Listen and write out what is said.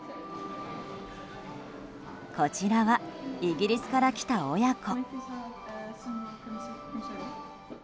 こちらはイギリスから来た親子。